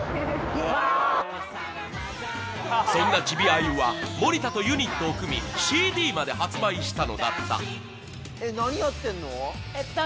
そんなチビあゆは森田とユニックを組みＣＤまで発売したのだった。